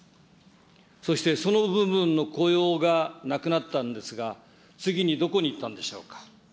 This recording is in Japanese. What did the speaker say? そしてその部分の雇用がなくなったんですが、次にどこに行ったんでしょうか。